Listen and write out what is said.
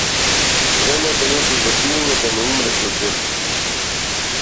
Земете нешто за пиење да не умрете од жед.